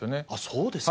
そうですか。